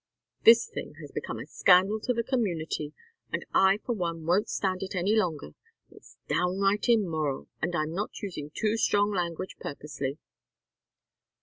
This thing has become a scandal to the community, and I for one won't stand it any longer. Its downright immoral, and I'm not using too strong language purposely."